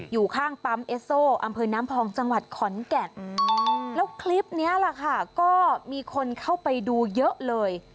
อยู่ข้างปั๊มเอสโซอำเภอน้ำพองจังหวัดขอนแก่นแล้วคลิปนี้แหละค่ะก็มีคนเข้าไปดูเยอะเลย